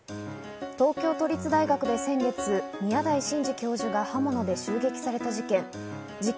東京都立大学で先月、宮台真司教授が刃物で襲撃された事件。